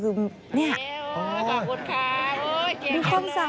ขอบคุณค่ะ